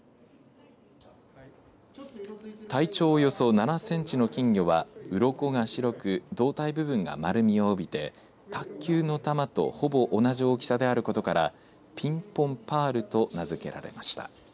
体長およそ７センチの金魚はうろこが白く胴体部分が丸みを帯びて卓球の球とほぼ同じ大きさであることからピンポンパールと名付けられました。